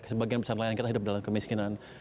sebagian besar nelayan kita hidup dalam kemiskinan